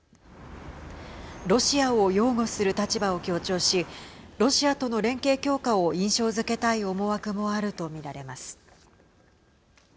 ロシアを擁護する立場を強調しロシアとの連携強化を印象づけたい思惑もあると見られます。